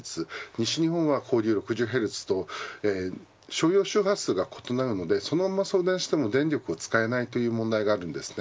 西日本は交流６０Ｈｚと所要周波数が異なるので送電しても電力が使えないという問題があります。